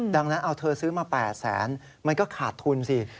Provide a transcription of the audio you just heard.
ดังนั้นเอาเธอซื้อมา๘แสนมันก็ขาดทุนสิ